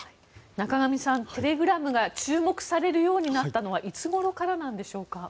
仲上さん、テレグラムが注目されるようになったのはいつごろからなんでしょうか。